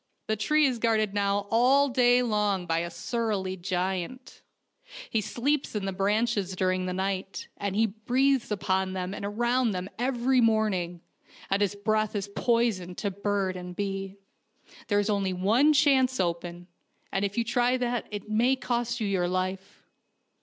The tree is guarded now all the day long by a surly giant. 116 FAIRY TALES He sleeps in the branches during the night, and he breathes upon them and around them every morning, and his breath is poison to bird and bee. There is only one chance open, and if you try that it may cost you your life."